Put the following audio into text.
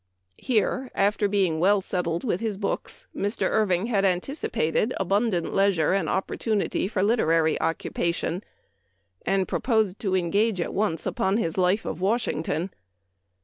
Here, after being well settled with his books, Mr. Irving had anticipated abundant leisure and opportunity for literary occupation, and proposed to engage at once upon his Life of Washington.